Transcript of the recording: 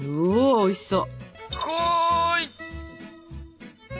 おいしそう！